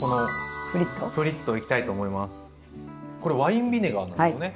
これワインビネガーなんですよね。